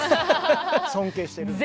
尊敬してるので。